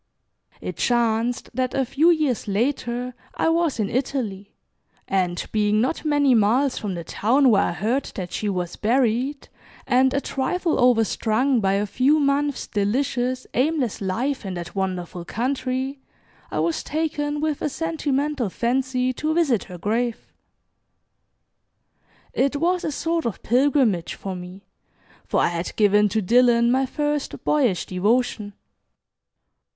It chanced that a few years later I was in Italy, and being not many miles from the town where I heard that she was buried, and a trifle overstrung by a few months delicious, aimless life in that wonderful country, I was taken with a sentimental fancy to visit her grave. It was a sort of pilgrimage for me, for I had given to Dillon my first boyish devotion.